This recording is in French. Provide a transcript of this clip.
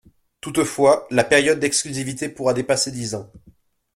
Toutefois, la période d’exclusivité pourra dépasser dix ans.